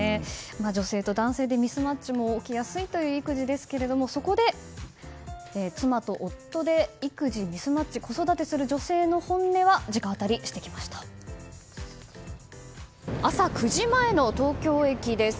女性と男性でミスマッチも起きやすいという育児ですがそこで妻と夫で育児ミスマッチ子育てする女性の本音を朝９時前の東京駅です。